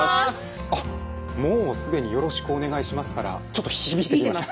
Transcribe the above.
あっもう既に「よろしくお願いします」からちょっと響いてきました。